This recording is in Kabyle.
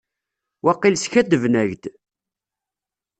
Waqil skaddben-ak-d.